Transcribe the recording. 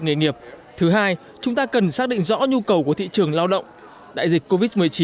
nghề nghiệp thứ hai chúng ta cần xác định rõ nhu cầu của thị trường lao động đại dịch covid một mươi chín